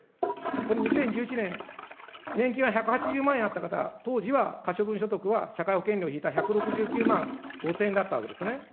これ、２０１１年、年金は１８０万円あった方、当時は可処分所得は社会保険料引いた１６９万５０００円だったわけですね。